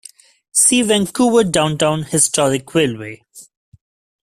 See Vancouver Downtown Historic Railway.